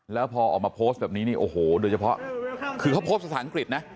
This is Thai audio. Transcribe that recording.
แล้วพอออกมาโพสต์แบบนี้นี่โอ้โหโดยเฉพาะคือเขาโพสต์ภาษาอังกฤษนะ